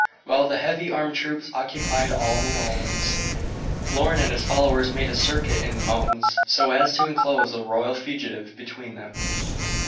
While the heavy armed troops occupied all the Lowlands, Lorne and his followers made a circuit in the mountains so as to inclose the royal fugitive between them.